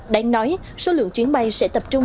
đáng nói số lượng chuyến bay sẽ tập trung